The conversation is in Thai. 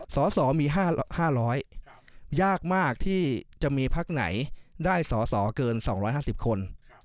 สสมี๕๐๐ยากมากที่จะมีพักไหนได้สอสอเกิน๒๕๐คน